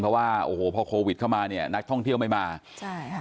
เพราะว่าโอ้โหพอโควิดเข้ามาเนี่ยนักท่องเที่ยวไม่มาใช่ค่ะ